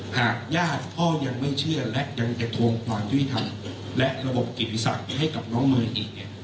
หากญาติพ่อยังไม่เชื่อและยังจะทวงความยุติธรรมและระบบกิติศักดิ์ให้กับน้องเมย์อีกเนี่ย